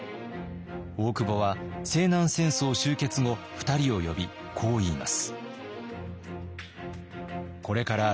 大久保は西南戦争終結後２人を呼びこう言います。